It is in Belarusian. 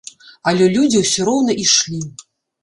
Але людзі ўсё роўна ішлі.